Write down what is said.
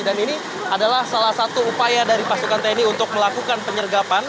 dan ini adalah salah satu upaya dari pasukan tni untuk melakukan penyergapan